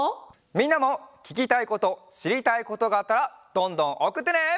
みんなもききたいことしりたいことがあったらどんどんおくってね！